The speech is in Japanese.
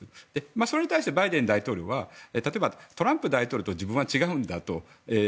それに対してバイデン大統領は例えば、トランプ大統領と自分は違うんだと。